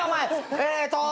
えっと。